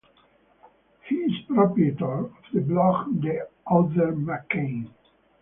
He is proprietor of the blog, The Other McCain.